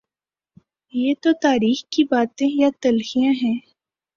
یہ تو تاریخ کی باتیں یا تلخیاں ہیں۔